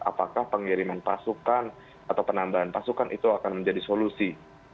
apakah pengiriman pasukan atau penambahan pasukan itu akan menjadi solusi